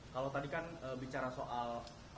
kalau tadi kan bicara soal